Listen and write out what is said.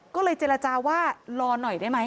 ก็เลยเจรจาว่ารอหน่อยได้ไหม